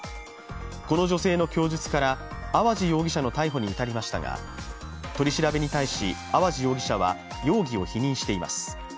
この女性の供述から淡路容疑者の逮捕に至りましたが取り調べに対し、淡路容疑者は容疑を否認しています。